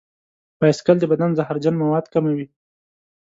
بایسکل د بدن زهرجن مواد کموي.